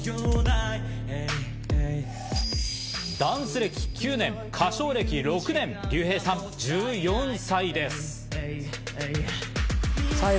ダンス歴９年、歌唱歴６年、リュウヘイさん、１４歳です。